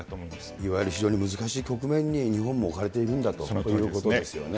いわゆる非常に難しい局面に日本も置かれているんだということですよね。